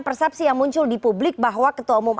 persepsi yang muncul di publik bahwa ketua umum